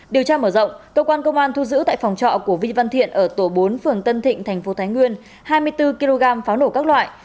điều tra mở rộng cơ quan công an thu giữ tại phòng trọ của vi văn thiện ở tổ bốn phường tân thịnh thành phố thái nguyên hai mươi bốn kg pháo nổ các loại